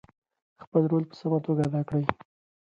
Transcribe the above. خپل رول په سمه توګه ادا کړئ.